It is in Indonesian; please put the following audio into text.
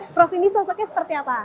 prof ini sosoknya seperti apa